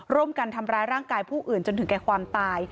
ร่วมกันทำร้ายร่างกายผู้อื่นจนถึงแก่ความตาย